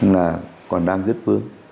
là còn đang rất vương